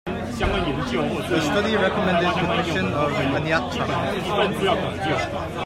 The study recommended protection of Aniakchak.